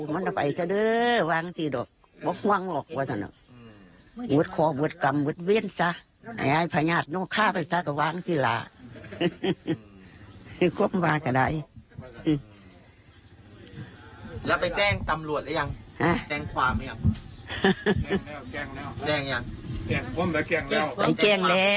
แล้วไปแจ้งตำรวจแล้วยังแจ้งความยัง